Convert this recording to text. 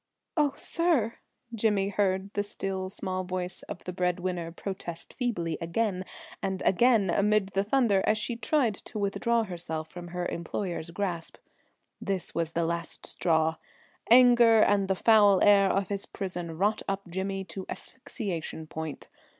"Oh, sir!" Jimmy heard the still small voice of the bread winner protest feebly again and again amid the thunder, as she tried to withdraw herself from her employer's grasp. This was the last straw. Anger and the foul air of his prison wrought up Jimmy to asphyxiation point.